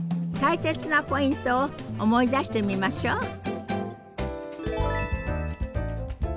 大切なポイントを思い出してみましょう。